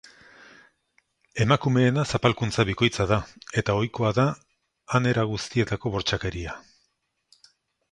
Emakumeena zapalkuntza bikoitza da, eta ohikoak da han era guztietako bortxakeria.